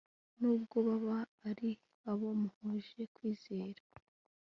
nubwo baba ari abo muhuje kwizera